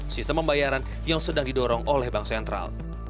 sistem pembayaran yang sedang didorong oleh bank sentral